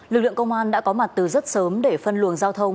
lực lượng công an đã có mặt từ rất sớm để phân luồng giao thông